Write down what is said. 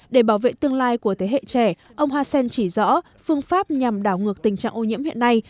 để bảo vệ tương lai của thế hệ trẻ ông hassan chỉ rõ phương pháp nhằm đảo ngược tình trạng ô nhiễm hiện nay